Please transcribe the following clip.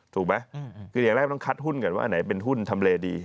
ถูกไหมคืออย่างแรกต้องคัดหุ้นก่อนว่าอันไหนเป็นหุ้นทำเลดี